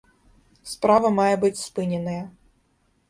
Справа мае быць спыненая.